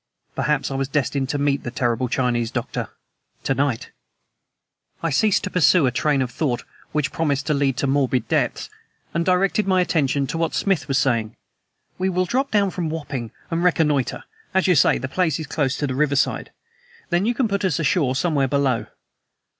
Perhaps I was destined to meet the terrible Chinese doctor to night. I ceased to pursue a train of thought which promised to lead to morbid depths, and directed my attention to what Smith was saying. "We will drop down from Wapping and reconnoiter, as you say the place is close to the riverside. Then you can put us ashore somewhere below.